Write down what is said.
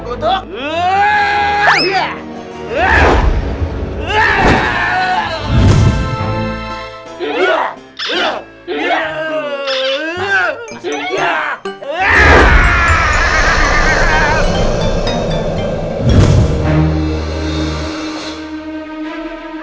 kamu jangan bergotuk